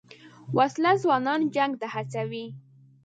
وسله ځوانان جنګ ته هڅوي